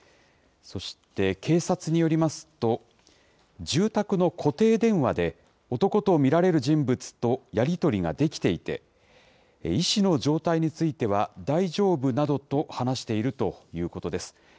そして、警察によりますと、住宅の固定電話で、男と見られる人物とやり取りができていて、医師の状態については、大丈夫などと話しているということです。